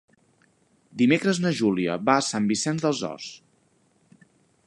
Dimecres na Júlia va a Sant Vicenç dels Horts.